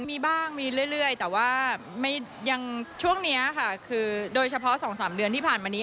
มีบ้างมีเรื่อยแต่ว่ายังช่วงนี้ค่ะคือโดยเฉพาะ๒๓เดือนที่ผ่านมานี้